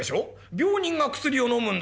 病人が薬をのむんだ。